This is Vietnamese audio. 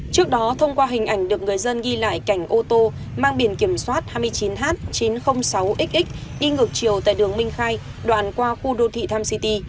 trước đó thông qua hình ảnh được người dân ghi lại cảnh ô tô mang biển kiểm soát hai mươi chín h chín trăm linh sáu x đi ngược chiều tại đường minh khai đoạn qua khu đô thị tham city